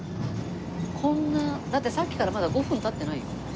こんなだってさっきからまだ５分経ってないよ。